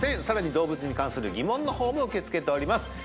さらに動物に関する疑問の方も受け付けております